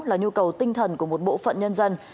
là nhu cầu tinh thần của một bộ phận nhân dân